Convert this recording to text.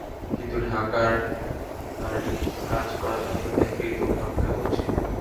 কিন্তু ঢাকায় গাড়ির কাজ করাতে হবে, তাই ফেরিতে ওঠার অপেক্ষা করছি।